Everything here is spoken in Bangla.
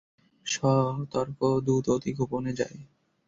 সতর্ক দূত অতিগোপনে যায়।